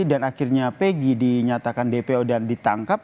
dan akhirnya pegi dinyatakan dpo dan ditangkap